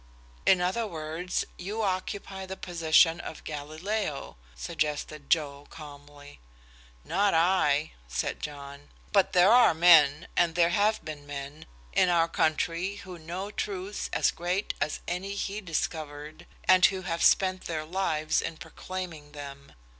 "In other words, you occupy the position of Galileo," suggested Joe, calmly. "Not I," said John; "but there are men, and there have been men, in our country who know truths as great as any he discovered, and who have spent their lives in proclaiming them.